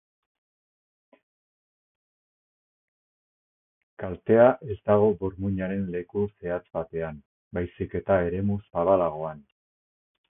Kaltea ez dago burmuinaren leku zehatz batean, baizik eta eremu zabalagoan.